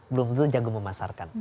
belum jago memasarkan